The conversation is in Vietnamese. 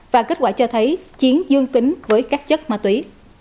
và kết quả cho thấy chiến dương tính với các chất ma túy